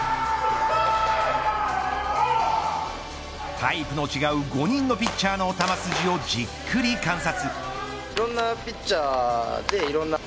タイプの違う５人のピッチャーの球筋をじっくり観察。